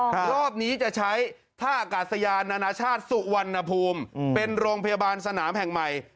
เมืองที่นี้จะใช้โรงพยาบาลสนามใหม่